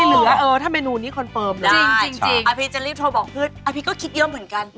เราก็ชอบตั้นนะ